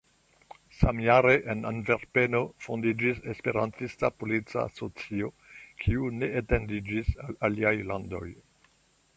Samjare en Antverpeno fondiĝis Esperantista Polica Asocio, kiu ne etendiĝis al aliaj landoj.